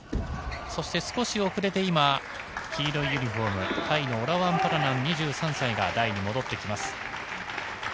そして、少し遅れて黄色いユニホームタイのオラワン・パラナン、２３歳が台に戻ってきます。